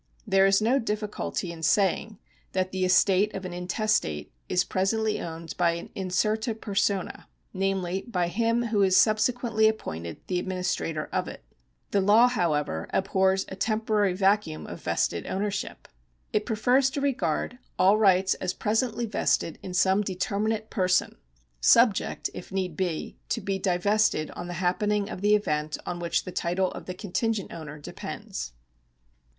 There is no difficulty in saying that the estate of an intestate is presently owned by an incerta persona, namely by him who is subsequently appointed the adminis trator of it. The law, however, abhors a temporary vacuum §7;3] LEGAL RIGHTS 187 of vested ownership. It prefers to regard all rights as pre sently vested in some determinate person, subject, if need be, to be divested on the happening of the event on which the title of the contingent owner depends.